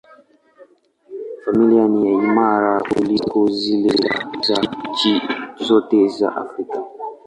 Familia ni imara kuliko zile za nchi zote za Afrika.